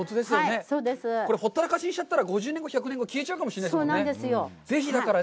これ、放ったらかしにしちゃったら、１０年後、１００年後、消えちゃうかもしれないですからね。